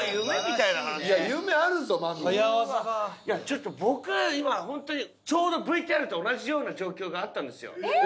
ちょっと僕今本当にちょうどＶＴＲと同じような状況があったんですよ。